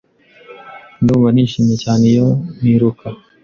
Ndumva nishimye cyane iyo niruka.